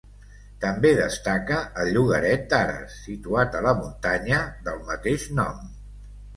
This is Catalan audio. També destaca el llogaret d'Ares situat a la muntanya del mateix nom.